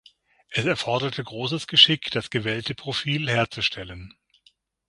Es erforderte großes Geschick, das gewellte Profil herzustellen.